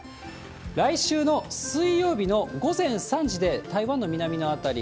来週の水曜日の午前３時で台湾の南の辺り。